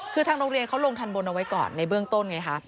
คือทางโรงเรียนเขาลงทันบนเอาไว้ก่อนในเบื้องต้นไงคะ